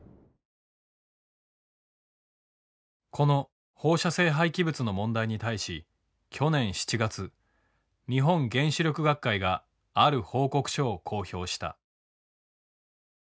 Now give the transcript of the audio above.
この放射性廃棄物の問題に対し去年７月日本原子力学会がある報告書を公表した。